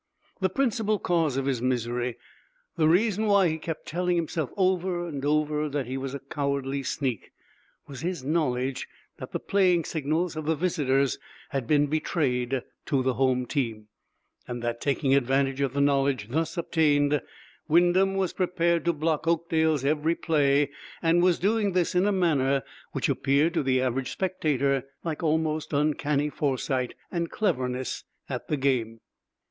The principal cause of his misery, the reason why he kept telling himself over and over that he was a cowardly sneak, was his knowledge that the playing signals of the visitors had been betrayed to the home team, and that, taking advantage of the knowledge thus obtained, Wyndham was prepared to block Oakdale's every play, and was doing this in a manner which appeared to the average spectator like almost uncanny foresight and cleverness at the game.